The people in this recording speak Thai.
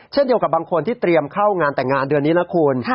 เช่นเดียวกับบางคนที่เตรียมเข้างานแต่งงานเดือนนี้แล้วคุณ